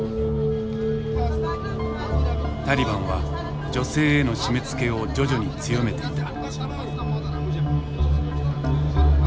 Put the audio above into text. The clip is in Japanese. タリバンは女性への締めつけを徐々に強めていた。